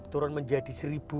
turun menjadi seribu